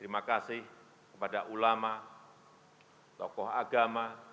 terima kasih kepada ulama tokoh agama